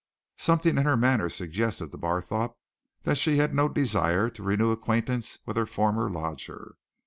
Something in her manner suggested to Barthorpe that she had no desire to renew acquaintance with her former lodger.